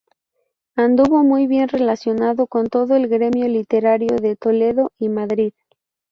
Anduvo muy bien relacionado con todo el gremio literario de Toledo y Madrid.